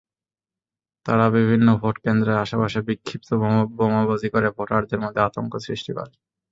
তারা বিভিন্ন ভোটকেন্দ্রের আশপাশে বিক্ষিপ্ত বোমাবাজি করে ভোটারদের মধ্যে আতঙ্ক সৃষ্টি করে।